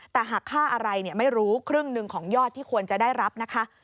แต่หากค่าอะไรไม่รู้ครึ่งหนึ่งของยอดที่ควรจะได้รับนะคะ